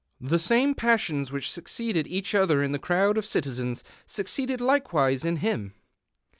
The same passions which succeeded each other in the crowd of citizens succeeded likewise in him.